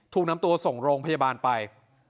ถูกนำตัวส่งโรงพยาบาลไป